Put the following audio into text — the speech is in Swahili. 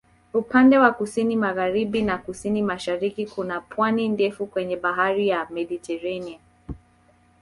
Upande wa kusini-magharibi na kusini-mashariki kuna pwani ndefu kwenye Bahari ya Mediteranea.